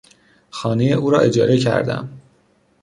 خانهی او را اجاره کردم.